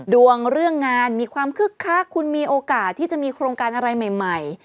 เรื่องงานมีความคึกคักคุณมีโอกาสที่จะมีโครงการอะไรใหม่